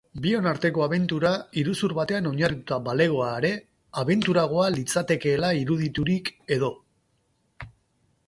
Bion arteko abentura iruzur batean oinarritua balego are abenturagoa litzatekeela iruditurik edo.